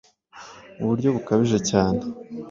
mu buryo bukabije cyane